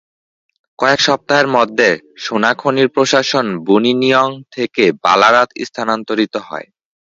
কয়েক সপ্তাহের মধ্যে সোনাখনির প্রশাসন বুনিনিয়ং থেকে বালারাত স্থানান্তরিত হয়।